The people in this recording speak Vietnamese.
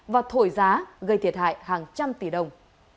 và thổi giá gây thiệt hại hàng trăm tỷ đồng